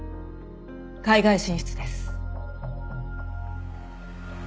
海外進出です。